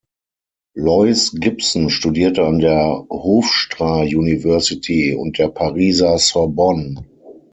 Lois Gibson studierte an der Hofstra University und der Pariser Sorbonne.